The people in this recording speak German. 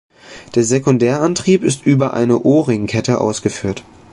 Der Sekundärantrieb ist über eine O-Ring-Kette ausgeführt.